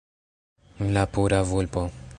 La pura vulpo